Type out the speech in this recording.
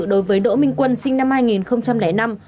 đối với đỗ minh quân sinh năm hai nghìn năm